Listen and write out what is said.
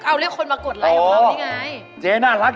เอาเรียกคนมากดไลค์ให้มาดิไง